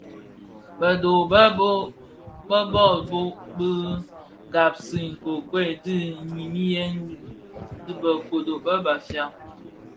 Bë dho be bō bhög bi kpagi a nkokuel ndiňiyèn bi bë kodo bë Bafia.